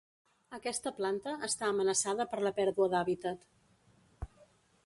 Aquesta planta està amenaçada per la pèrdua d'hàbitat.